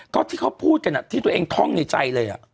ก็ที่เขาพูดกันที่ตัวเองท่องในใจเลย